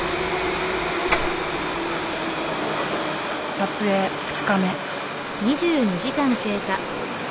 撮影２日目。